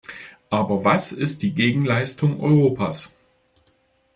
Aber was ist die Gegenleistung Europas?